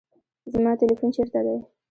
زما تلیفون چیرته دی؟